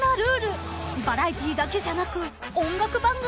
［バラエティーだけじゃなく音楽番組にもありますか？］